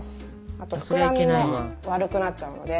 あとふくらみも悪くなっちゃうので。